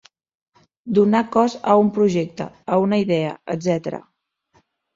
Donar cos a un projecte, a una idea, etc.